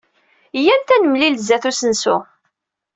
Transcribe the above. Iyyamt ad nemlil sdat usensu.